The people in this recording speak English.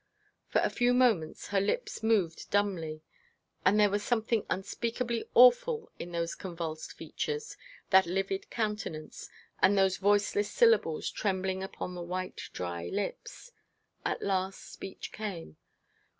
For a few moments her lips moved dumbly; and there was something unspeakably awful in those convulsed features, that livid countenance, and those voiceless syllables trembling upon the white dry lips. At last speech came.